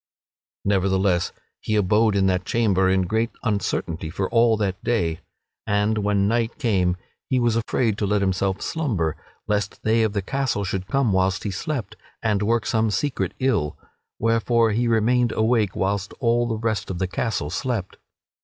Nevertheless, he abode in that chamber in great uncertainty for all that day, and when night came he was afraid to let himself slumber, lest they of the castle should come whilst he slept and work him some secret ill; wherefore he remained awake whilst all the rest of the castle slept.